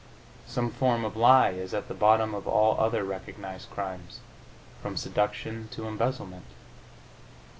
Some form of lie is at the bottom of all other recognized crimes, from seduction to embezzlement.